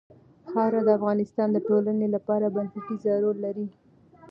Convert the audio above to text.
خاوره د افغانستان د ټولنې لپاره بنسټيز رول لري.